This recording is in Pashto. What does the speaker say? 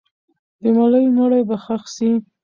د ملالۍ مړی به ښخ سي.